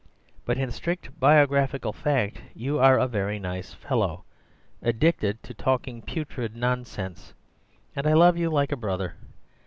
But in strict biographical fact you are a very nice fellow, addicted to talking putrid nonsense, and I love you like a brother.